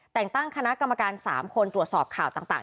แต่งตั้งคณะกรรมการ๓คนตรวจสอบข่าวต่าง